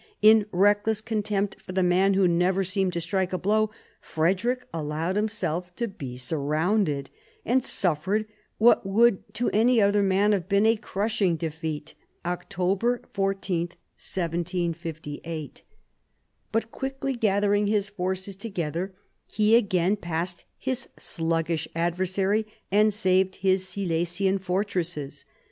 In reckless contempt for the man who never seemed to strike a blow, Frederick allowed himself to be surrounded, and suffered what would to any other man have been a crushing defeat (October 14, 1758). But quickly gather ing his forces together, he again passed his sluggish adversary and saved his Silesian fortresses.